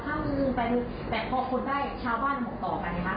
ถ้ามือไปหนึ่งแต่พอคนได้ชาวบ้านมองต่อไปนะครับ